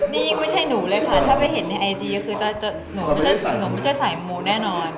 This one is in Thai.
นี่ยิ่งไม่ใช่หนูเลยค่ะถ้าไปเห็นในไอจีก็คือหนูไม่ใช่สายมูแน่นอน